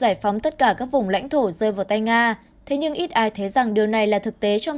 cho cả các vùng lãnh thổ rơi vào tay nga thế nhưng ít ai thấy rằng điều này là thực tế trong